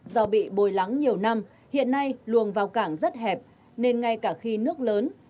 do bị bồi lắng nhiều năm hiện nay luồng vào cảng rất hẹp nên ngay cả khi nước lớn